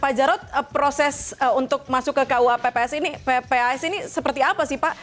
pak jarod proses untuk masuk ke kuapps ini ppas ini seperti apa sih pak